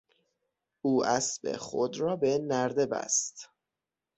او اسب خود را به نرده بست.